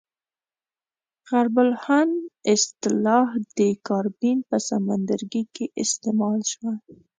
غرب الهند اصطلاح د کاربین په سمندرګي کې استعمال شوه.